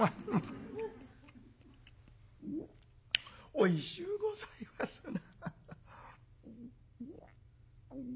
「おいしゅうございますな」。